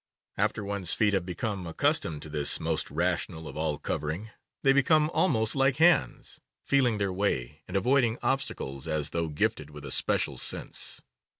After one's feet have become accustomed to this most rational of all covering they become almost like hands, feeling their way, and avoiding obstacles as though gifted with a special sense.